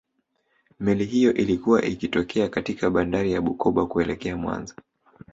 meli hiyo ilikuwa ikitokea katika bandari ya bukoba kuelekea mwanza